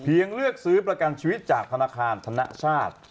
เลือกซื้อประกันชีวิตจากธนาคารธนชาติ